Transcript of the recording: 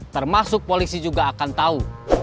termasuk polisi juga akan tahu